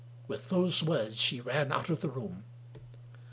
" With those words she ran out of the room.